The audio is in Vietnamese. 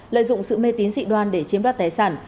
lợi dụng sự mê tín dị đoan để chiếm đoạt tài sản